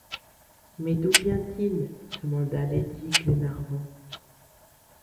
Mais d’où vient-il? demanda lady Glenarvan.